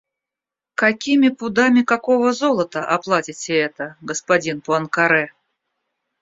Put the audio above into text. Какими пудами какого золота оплатите это, господин Пуанкаре?